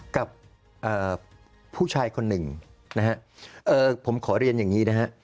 กับผู้ชายคนหนึ่งนะฮะผมขอเรียนอย่างนี้นะฮะ